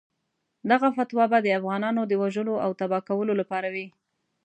دغه فتوا به د افغانانو د وژلو او تباه کولو لپاره وي.